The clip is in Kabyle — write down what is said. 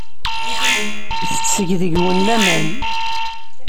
Tetteg deg-wen laman.